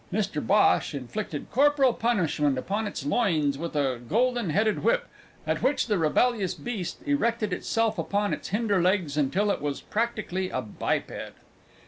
Mr Bhosh inflicted corporal punishment upon its loins with a golden headed whip, at which the rebellious beast erected itself upon its hinder legs until it was practically a biped.